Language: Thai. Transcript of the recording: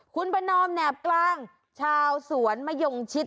คุณประนอมแนบกลางชาวสวนมะยงชิด